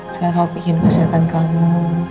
sekarang gue pikirin kesihatan kamu